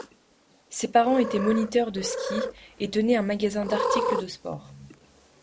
Ses parents étaient moniteurs de ski et tenaient un magasin d'articles de sport.